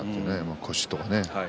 腰とかね